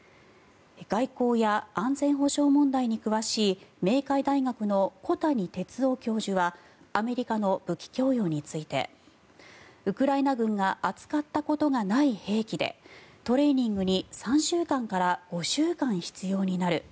外交や安全保障問題に詳しい明海大学の小谷哲男教授はアメリカの武器供与についてウクライナ軍が扱ったことがない兵器でトレーニングに３週間から５週間必要になる。